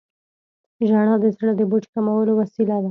• ژړا د زړه د بوج کمولو وسیله ده.